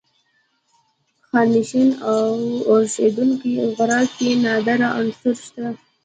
د خانشین په اورښیندونکي غره کې نادره عناصر شته.